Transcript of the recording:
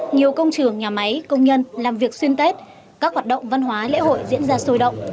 nhiều công trường nhà máy công nhân làm việc xuyên tết các hoạt động văn hóa lễ hội diễn ra sôi động